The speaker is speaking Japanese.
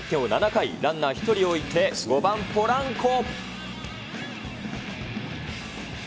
７回、ランナー１人置いて５番ポランコ。